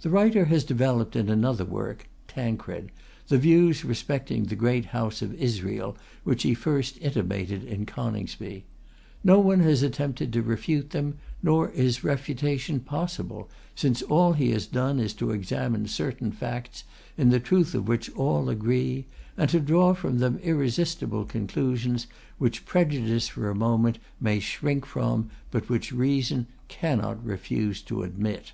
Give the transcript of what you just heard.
The writer has developed in another work ['Tancred') the views respecting the great house of Israel which he first intimated in 'Coningsby.' No one has attempted to refute them, nor is refutation possible; since all he has done is to examine certain facts in the truth of which all agree, and to draw from them irresistible conclusions which prejudice for a moment may shrink from, but which reason cannot refuse to admit.